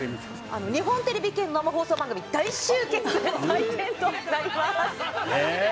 日本テレビ系の生放送番組大集結の祭典となります。